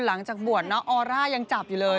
หลังจากบวชน้องออร่ายังจับอยู่เลย